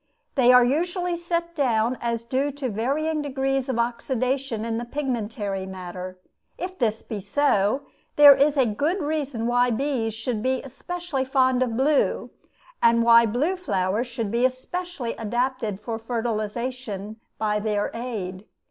They are usually set down as due to varying degrees of oxidation in the pigmentary matter. If this be so, there is a good reason why bees should be specially fond of blue, and why blue flowers should be specially adapted for fertilization by their aid.